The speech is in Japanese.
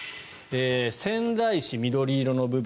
仙台市、緑色の部分。